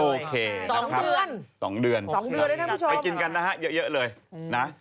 โอเคนะครับสองเดือนสองเดือนไปกินกันนะฮะเยอะเลยนะ